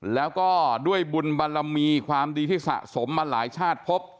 แล้วก็ด้วยบุญบารมีความดีที่สะสมมาหลายชาติพบ